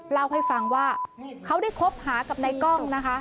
เล่าให้ฟังว่าเขาได้คบหากับในกล้องนะคะ